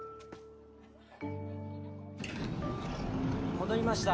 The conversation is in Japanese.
戻りました。